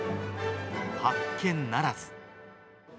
発見ならず。